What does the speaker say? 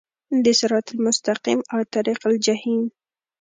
د صراط المستقیم او طریق الجحیم